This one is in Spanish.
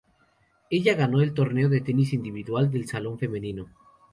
Ella ganó el torneo en tenis individual de salón femenino.